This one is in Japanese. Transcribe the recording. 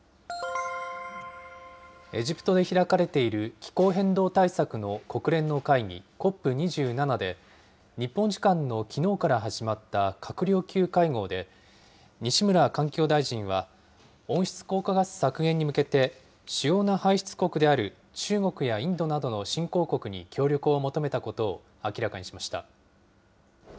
エジプトで開かれている気候変動対策の国連の会議、ＣＯＰ２７で、日本時間のきのうから始まった閣僚級会合で、西村環境大臣は温室効果ガス削減に向けて、主要な排出国である中国やインドなどの新興国に協力を求めたことを明らかにしました。